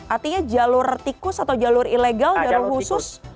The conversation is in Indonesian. artinya jalur tikus atau jalur ilegal jalur khusus